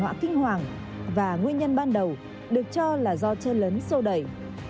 ngoại kinh hoàng và nguyên nhân ban đầu được cho là do chân lấn sô đẩy